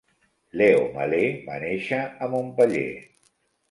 Leo Malet va néixer a Montpeller.